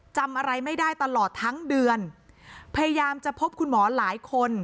จำอะไรไม่ได้ตลอดทั้งเดือนพยายามจะพบคุณหมอหลายคน